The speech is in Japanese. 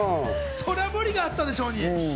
それは無理があったでしょうに。